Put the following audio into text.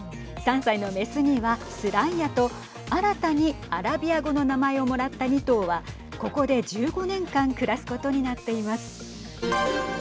３歳の雌にはスライヤと新たに、アラビア語の名前をもらった２頭はここで１５年間暮らすことになっています。